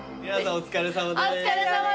お疲れさまです。